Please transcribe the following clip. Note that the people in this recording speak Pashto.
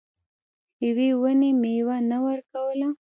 یوې ونې میوه نه ورکوله.